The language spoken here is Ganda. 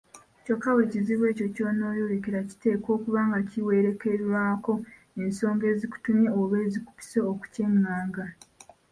Kyokka buli kizibu ekyo ky’onooyolekera kiteekwa okuba nga kiwerekerwako ensonga ezikutumye oba ezikupise okukyanganga.